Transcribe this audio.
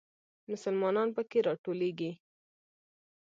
مسلمانان په کې راټولېږي.